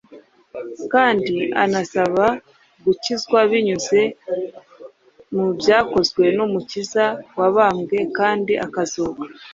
kandi anasaba gukizwa binyuze mu byakozwe n’Umukiza wabambwe kandi akazuka.